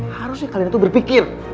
harusnya kalian tuh berpikir